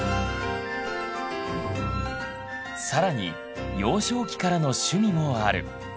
更に幼少期からの趣味もある。